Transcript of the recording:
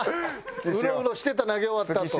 ウロウロしてた投げ終わったあと。